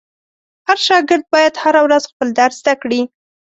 هر شاګرد باید هره ورځ خپل درس زده کړي.